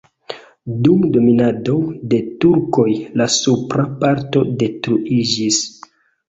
Dum dominado de turkoj la supra parto detruiĝis.